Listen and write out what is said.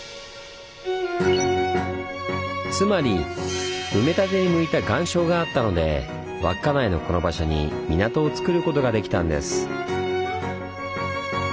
つまり埋め立てに向いた岩礁があったので稚内のこの場所に港をつくることができたんです。